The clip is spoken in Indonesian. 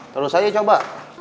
terus aja coba